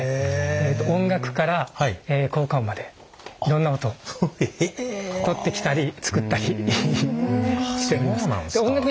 音楽から効果音までいろんな音をとってきたり作ったりしてるんですね。